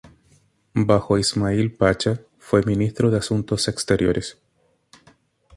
Bajo Ismail Pachá fue ministro de asuntos exteriores.